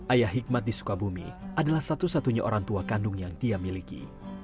ayah hikmat di sukabumi adalah satu satunya orang tua kandung yang dia miliki